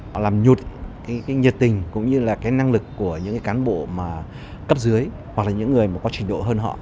họ làm nhụt cái nhiệt tình cũng như là cái năng lực của những cán bộ cấp dưới hoặc là những người có trình độ hơn họ